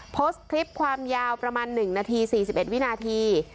โพสต์คลิปความยาวประมาณหนึ่งนาทีสี่สิบเอ็ดวินาที